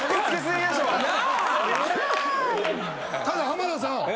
ただ浜田さん。